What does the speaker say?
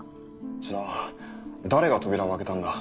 じゃあ誰が扉を開けたんだ？